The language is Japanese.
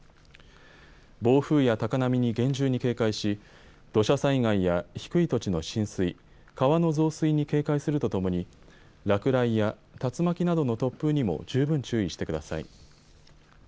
暴風や高波に厳重に警戒し土砂災害や低い土地の浸水、川の増水に警戒するとともに落雷や竜巻などの突風にも十分注意してください。